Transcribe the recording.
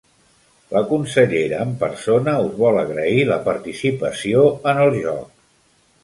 La consellera en persona us vol agrair la participació en el joc.